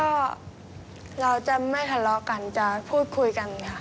ก็เราจะไม่ทะเลาะกันจะพูดคุยกันค่ะ